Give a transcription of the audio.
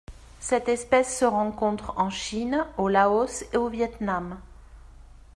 Cette espèce se rencontre en Chine, au Laos et au Viêt Nam.